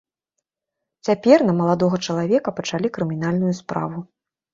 Цяпер на маладога чалавека пачалі крымінальную справу.